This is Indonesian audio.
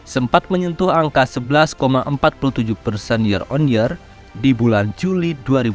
sempat menyentuh angka sebelas empat puluh tujuh persen year on year di bulan juli dua ribu dua puluh